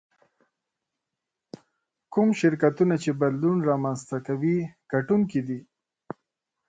کوم شرکتونه چې بدلون رامنځته کوي ګټونکي دي.